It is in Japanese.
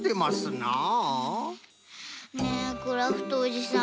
ねえクラフトおじさん。